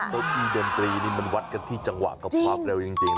เก้าอี้ดนตรีนี่มันวัดกันที่จังหวะกับความเร็วจริง